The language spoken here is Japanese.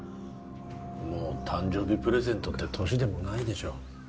もう誕生日プレゼントって年でもないでしょ